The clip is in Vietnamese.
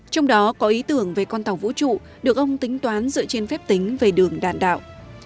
trong đó có ý tưởng về con tàu vũ trụ được ông tính toán dựa trên phép tính về đường đạn đạo